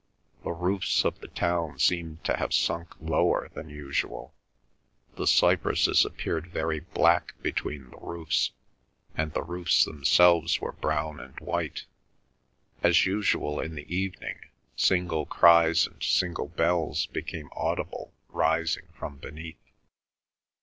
The roofs of the town seemed to have sunk lower than usual; the cypresses appeared very black between the roofs, and the roofs themselves were brown and white. As usual in the evening, single cries and single bells became audible rising from beneath.